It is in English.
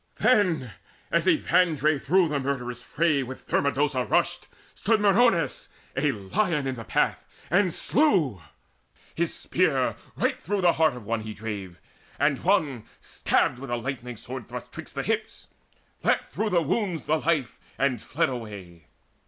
Then, as Evandre through the murderous fray With Thermodosa rushed, stood Meriones, A lion in the path, and slew: his spear Right to the heart of one he drave, and one Stabbed with a lightning sword thrust 'twixt the hips: Leapt through the wounds the life, and fled away.